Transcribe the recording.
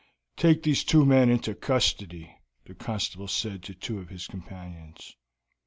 "Take those two men into custody," the constable said to two of his companions.